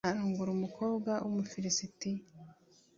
arongora umukobwa w’umufilisitiyakazi